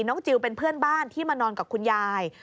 จิลเป็นเพื่อนบ้านที่มานอนกับคุณยาย